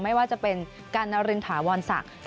ไม่ว่าจะเป็นการนารินถาวรศักดิ์